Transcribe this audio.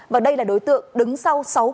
và đây là đối tượng đứng sau